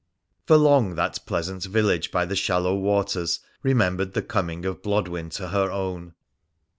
For long that pleasant village by the shallow waters remembered the coming of Blodwen to her own.